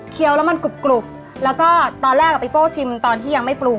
แล้วมันกรุบแล้วก็ตอนแรกอ่ะพี่โป้ชิมตอนที่ยังไม่ปรุง